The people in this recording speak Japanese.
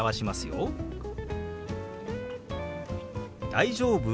「大丈夫？」。